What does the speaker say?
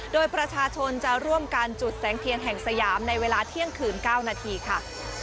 โดยประชาชนจะร่วมกันจุดแสงเทียนแห่งสยามในเวลาเที่ยงคืน๙นาทีค่ะ